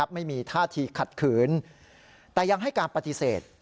ไม่มีท่าทีขัดขืนแต่ยังให้การปฏิเสธ